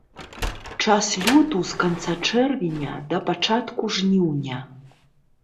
Час лёту з канца чэрвеня да пачатку жніўня.